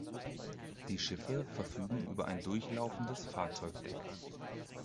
Die Schiffe verfügen über ein durchlaufendes Fahrzeugdeck.